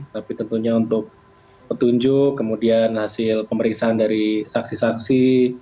tapi tentunya untuk petunjuk kemudian hasil pemeriksaan dari saksi saksi